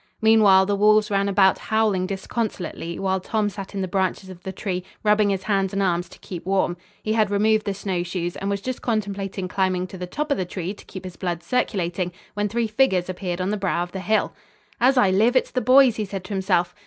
Meanwhile, the wolves ran about howling disconsolately while Tom sat in the branches of the tree, rubbing his hands and arms to keep warm. He had removed the snowshoes and was just contemplating climbing to the top of the tree to keep his blood circulating, when three figures appeared on the brow of the hill. "As I live, it's the boys," he said to himself.